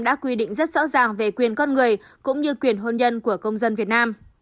đã quy định rất rõ ràng về quyền con người cũng như quyền hôn nhân của công dân việt nam